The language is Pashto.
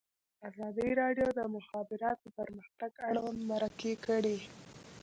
ازادي راډیو د د مخابراتو پرمختګ اړوند مرکې کړي.